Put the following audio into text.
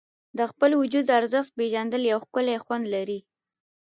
د خپل وجود ارزښت پېژندل یو ښکلی خوند لري.